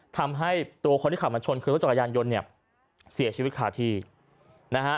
ทำให้ตัวคนที่ขับมาชนคือรถจักรยานยนต์เนี่ยเสียชีวิตขาดที่นะฮะ